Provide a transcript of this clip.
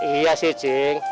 iya sih cing